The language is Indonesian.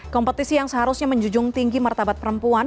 kompetisi yang seharusnya menjunjung tinggi martabat perempuan